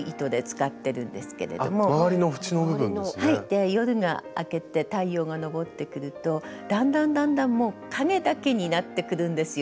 で夜が明けて太陽が昇ってくるとだんだんだんだんもう影だけになってくるんですよ